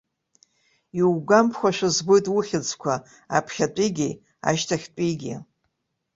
Иугәамԥхошәа збоит ухьӡқәа, аԥхьатәигьы ашьҭахьтәигьы.